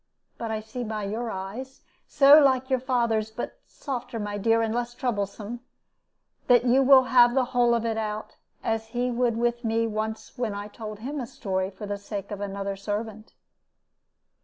But I see by your eyes so like your father's, but softer, my dear, and less troublesome that you will have the whole of it out, as he would with me once when I told him a story for the sake of another servant.